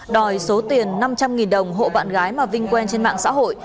đòi số tiền năm trăm linh đồng hộ bạn gái mà vinh quen trên mạng xã hội